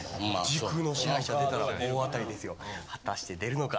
「時空の支配者」出たら大当たりですよ果たして出るのか？